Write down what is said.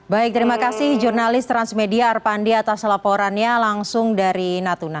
baik terima kasih jurnalis transmedia arpandi atas laporannya langsung dari natuna